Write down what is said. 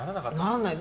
ならない。